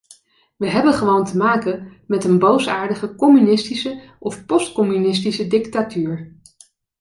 We hebben gewoon te maken met een boosaardige communistische of postcommunistische dictatuur.